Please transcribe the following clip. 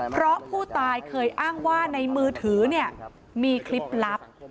เพราะผู้ตายเคยอ้างว่าในมือถือเนี่ยมีคลิปลับ